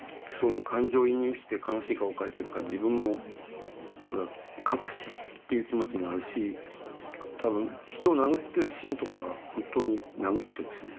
感情移入して悲しい顔描いてるから自分も悲しいっていう気持ちになるし多分人殴ってるシーンとかは本当に殴ってるんですよね。